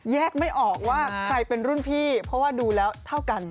ไม่ออกว่าใครเป็นรุ่นพี่เพราะว่าดูแล้วเท่ากัน